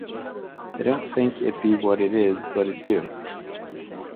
They don't think it be what it is but it do.